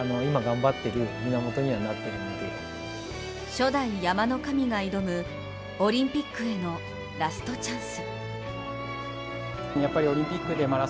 初代・山の神が挑むオリンピックへのラストチャンス。